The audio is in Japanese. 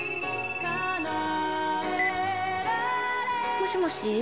もしもし？